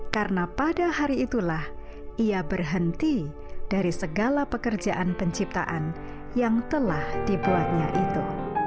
karena pada hari itulah ia berhenti dari segala pekerjaan penciptaan yang telah dibuatnya itu